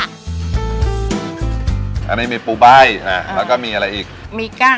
อันนี้มีปูใบแล้วก็มีอะไรอีก